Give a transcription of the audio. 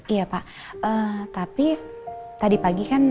iya pak tapi tadi pagi kan